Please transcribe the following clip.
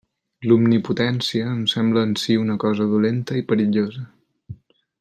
L'omnipotència em sembla en si una cosa dolenta i perillosa.